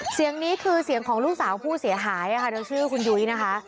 เสียงนี้คือเสียงของลูกสาวผู้เสียหายคุณยุ้ยนะคะ